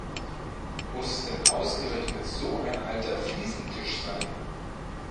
Muss es denn ausgerechnet so ein alter Fliesentisch sein?